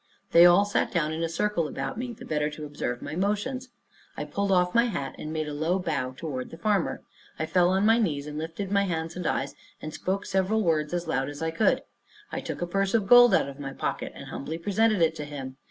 They all sat down in a circle about me, the better to observe my motions. I pulled off my hat, and made a low bow toward the farmer. I fell on my knees, and lifted up my hands and eyes, and spoke several words as loud as I could; I took a purse of gold out of my pocket, and humbly presented it to him.